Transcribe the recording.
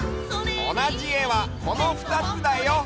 おなじえはこのふたつだよ！